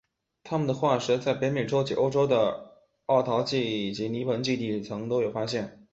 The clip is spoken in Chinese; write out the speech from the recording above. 它们的化石在北美洲及欧洲的奥陶纪及泥盆纪地层都有发现。